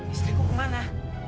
isteriku ke mana